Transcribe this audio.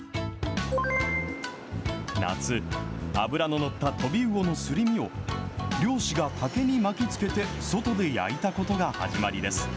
夏、脂の乗ったトビウオのすり身を、漁師が竹に巻きつけて、外で焼いたことが始まりです。